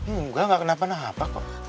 enggak gak kenapa kenapa kok